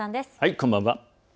こんばんは。